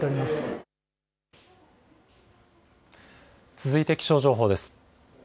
続いて気象情報です。